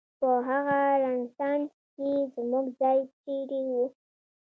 په هغه رنسانس کې زموږ ځای چېرې و؟